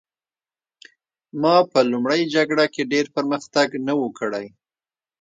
ما په لومړۍ جګړه کې ډېر پرمختګ نه و کړی